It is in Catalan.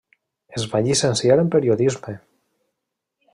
Es va llicenciar en Periodisme.